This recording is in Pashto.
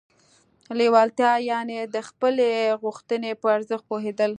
لېوالتیا يانې د خپلې غوښتنې پر ارزښت پوهېدل.